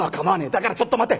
だからちょっと待て！